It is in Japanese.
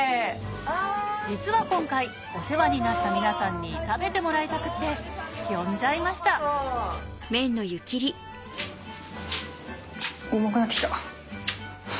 実は今回お世話になった皆さんに食べてもらいたくって呼んじゃいましたうまくなってきた。